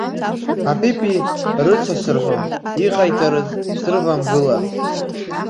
Апипи рыцасырҳәон, иҟарҵарыз срывамгылар?